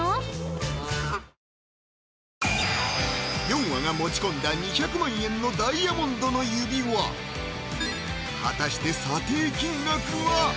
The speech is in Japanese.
ヨンアが持ち込んだ２００万円のダイヤモンドの指輪果たして査定金額は？